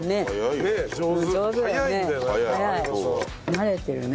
慣れてるね。